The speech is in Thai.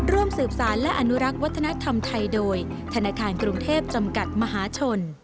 ร่วมสืบสารและอนุรักษ์วัฒนธรรมไทยโดยธนาคารกรุงเทพจำกัดมหาชน